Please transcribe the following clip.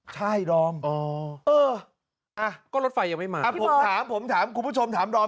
ใช่ดอมเอออ่ะก็รถไฟยังไม่มาผมถามผมถามคุณผู้ชมถามดอม